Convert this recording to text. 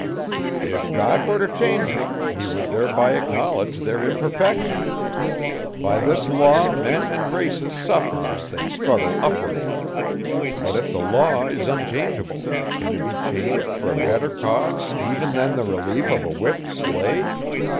If God were to change them He would thereby acknowledge their imperfection. By this law men and races suffer as they struggle upward. But if the law is unchangeable, can it be changed for a better cause even than the relief of a whipped slave?